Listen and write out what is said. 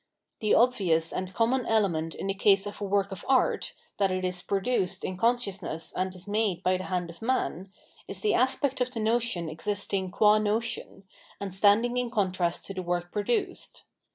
The obvious and common element in the case of a work of art, that it is produced in consciousness and is made by the hand of man, is the aspect of the notion ftvisting qm notion, and standing in contrast to the work produced.